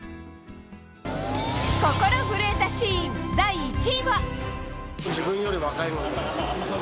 心震えたシーン第１位は。